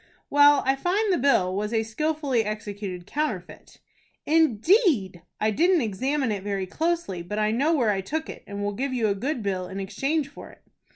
"Well, I find the bill was a skilfully executed counterfeit." "Indeed! I didn't examine it very closely. But I know where I took it, and will give you a good bill in exchange for it."